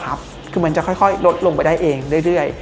คือมันจะค่อยลดลงไปได้เองเรื่อย